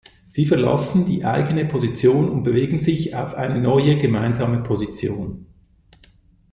Sie verlassen die eigene Position und bewegen sich auf eine neue gemeinsame Position.